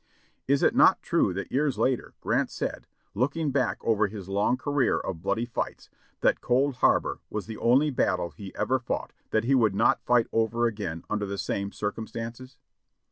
Is it not true that, years later. Grant said — looking back over his long career of bloody fights — that Cold Harbor was the only battle he ever fought that he would not fight over again under the same circumstances?